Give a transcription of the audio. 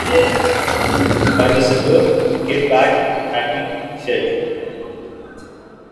By December, "Get Back" had been shelved.